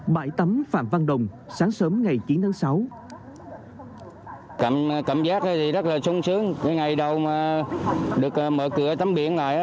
bãi tắm phạm văn đồng sáng sớm ngày chín tháng sáu